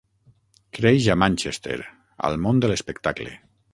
Creix a Manchester, al món de l'espectacle.